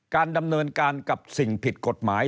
การดำเนินการกับสิ่งผิดกฎหมาย